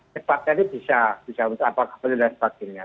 tepat tadi bisa bisa apa apa dan sebagainya